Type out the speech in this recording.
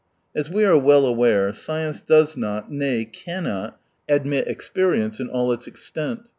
— As we are well aware, science does not, nay cannot, admit experience in all its extent.